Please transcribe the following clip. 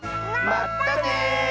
まったね！